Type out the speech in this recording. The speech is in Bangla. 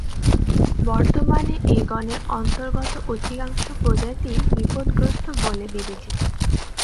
বর্তমানে এ গণের অন্তর্গত অধিকাংশ প্রজাতিই বিপদগ্রস্ত বলে বিবেচিত।